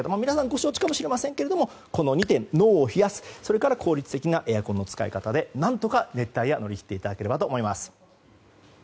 ご承知かもしれませんがこの２点、脳を冷やす効率的なエアコンの使い方で何とか熱帯夜、乗り切っていただきたいと思います。